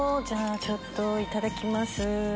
じゃあちょっといただきます。